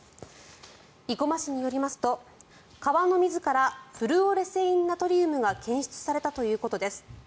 生駒市によりますと川の水からフルオレセインナトリウムが検出されたということです。